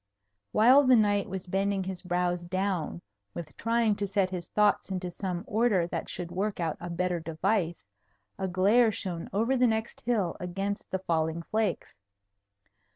While the knight was bending his brows down with trying to set his thoughts into some order that should work out a better device, a glare shone over the next hill against the falling flakes.